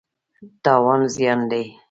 تاوان زیان دی.